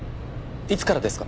いつからですか？